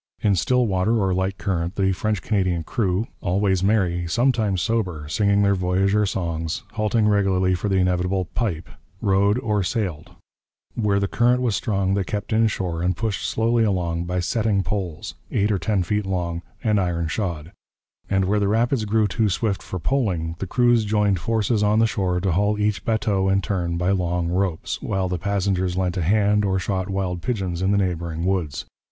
In still water or light current the French Canadian crew always merry, sometimes sober, singing their voyageur songs, halting regularly for the inevitable 'pipe' rowed or sailed; where the current was strong they kept inshore and pushed slowly along by 'setting' poles, eight or ten feet long and iron shod; and where the rapids grew too swift for poling, the crews joined forces on the shore to haul each bateau in turn by long ropes, while the passengers lent a hand or shot wild pigeons in the neighbouring woods.